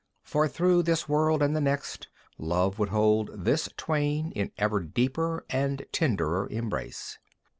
For through this world and the next, love would hold these twain in ever deeper and tenderer embrace.